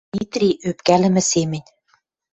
Митри ӧпкӓлӹмӹ семӹнь.